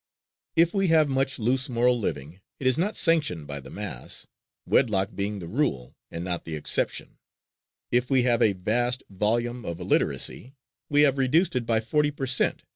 If we have much loose moral living, it is not sanctioned by the mass, wedlock being the rule, and not the exception; if we have a vast volume of illiteracy, we have reduced it by forty per cent.